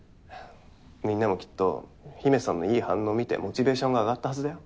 みんなもきっと陽芽さんのいい反応を見てモチベーションが上がったはずだよ